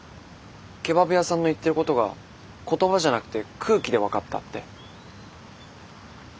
ケバブ屋さんの言ってることが言葉じゃなくて空気で分かったって。